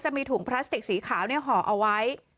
มีถุงพลาสติกสีขาวห่อเอาไว้